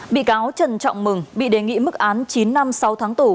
bị cáo trần trọng mừng bị đề nghị mức án chín năm sáu tháng tù